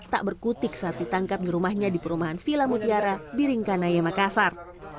tak berkutik saat ditangkap di rumahnya di perumahan villa mutiara biringkanaya makassar